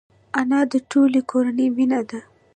انا د ټولې کورنۍ مینه ده